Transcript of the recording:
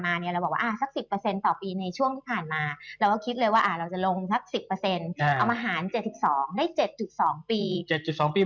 สัก๑๐ต่อปีในช่วงที่ผ่านมาเราคิดเลยว่าเราจะลงสัก๑๐เอามาหาร๗๒ได้๗๒ปี